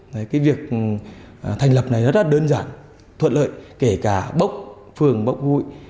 cái việc thành lập này rất đơn giản thuận lợi kể cả bốc phưởng bốc hội